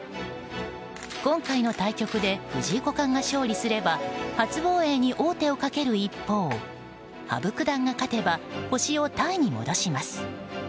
今回の対局で藤井五冠が勝利すれば初防衛に王手をかける一方羽生九段が勝てば星をタイに戻します。